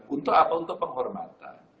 untuk apa untuk penghormatan